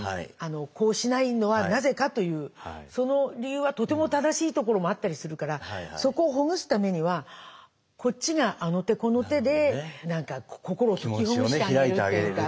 「こうしないのはなぜか」というその理由はとても正しいところもあったりするからそこをほぐすためにはこっちがあの手この手で心を解きほぐしてあげるっていうか。